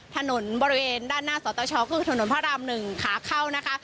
ถนนบริเวณด้านหน้าสตชก็คือถนนพระราม๑ขาเข้านะคะ